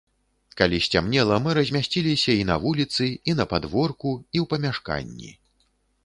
Калі сцямнела, мы размясціліся і на вуліцы, і на падворку, і ў памяшканні.